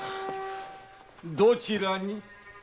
どちらに？